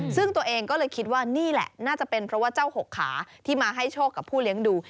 ซึ่งตัวเองก็เลยคิดว่านี่แหละน่าจะเป็นเพราะว่าเจ้าหกขาที่มาให้โชคกับผู้เลี้ยงดู